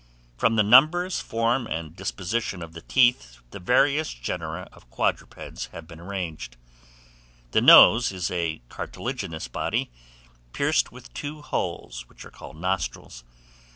From the numbers, form, and disposition of the teeth, the various genera of quadrupeds have been arranged. The nose is a cartilaginous body, pierced with two holes, which are called nostrils.